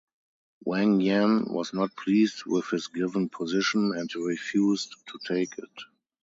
Wang Yan was not pleased with his given position and refused to take it.